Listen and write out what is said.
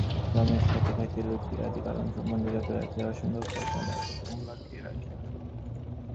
রমেশ খাইতে খাইতে লুচির আদিকারণ সম্বন্ধে যত রাজ্যের অসম্ভব কল্পনা দ্বারা কমলাকে রাগাইয়া তুলিল।